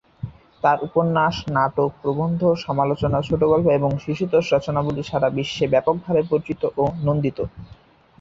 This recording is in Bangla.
তাঁর উপন্যাস, নাটক, প্রবন্ধ, সমালোচনা, ছোটগল্প এবং শিশুতোষ রচনাবলী সারা বিশ্বে ব্যাপকভাবে পরিচিত ও নন্দিত।